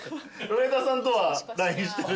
上田さんとはＬＩＮＥしてる。